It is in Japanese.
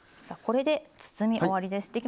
さあこれで包み終わりです。